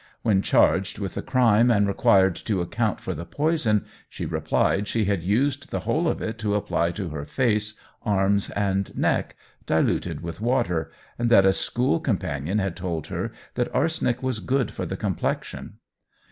When charged with the crime, and required to account for the poison, she replied she had used the whole of it to apply to her face, arms, and neck, diluted with water, and that a school companion had told her that arsenic was good for the complexion.